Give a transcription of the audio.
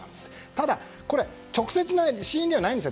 ただ、直接の死因ではないんです。